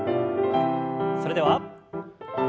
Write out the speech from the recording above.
それでは１。